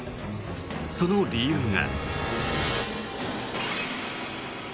その理由が。